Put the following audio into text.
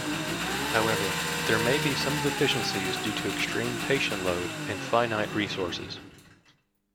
However, there may be some deficiencies due to extreme patient load and finite resources.